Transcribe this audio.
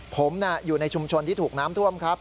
ผมอยู่ในชุมชนที่ถูกน้ำท่วมครับ